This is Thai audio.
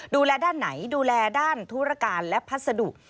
ดูแลด้านไหนดูแลด้านธุรการและพัสดุ